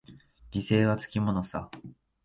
犠牲はつきものさ。